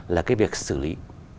là cái việc xử lý